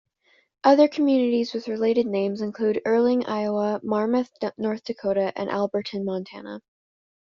Other communities with related names include Earling, Iowa; Marmarth, North Dakota; and Alberton, Montana.